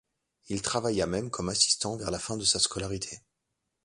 Il travailla même comme assistant vers la fin de sa scolarité.